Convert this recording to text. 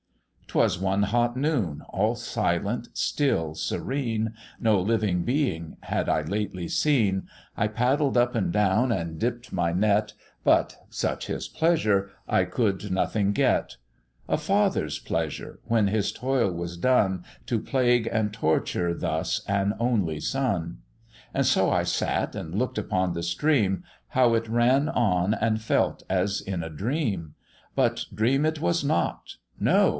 "'Twas one hot noon, all silent, still, serene, No living being had I lately seen; I paddled up and down and dipp'd my net, But (such his pleasure) I could nothing get, A father's pleasure, when his toil was done, To plague and torture thus an only son! And so I sat and look'd upon the stream, How it ran on and felt as in a dream: But dream it was not: No!